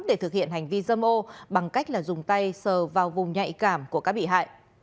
để thực hiện hành vi dâm ô bằng cách dùng tay sờ vào vùng nhạy cảm của các bị hại